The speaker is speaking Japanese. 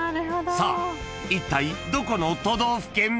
［さあいったいどこの都道府県？］